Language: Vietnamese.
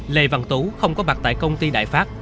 lê văn tú không có mặt tại công ty đại pháp